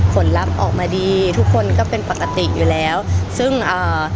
ผลลัพธ์ออกมาดีทุกคนก็เป็นปกติอยู่แล้วซึ่งอ่า